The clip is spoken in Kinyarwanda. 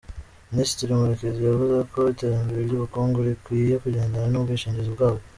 Minisitiri Murekezi yavuze ko iterambere ry’ubukungu rikwiye kugendana n’ubwishingizi bwabwo.